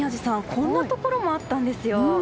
こんなところもあったんですよ。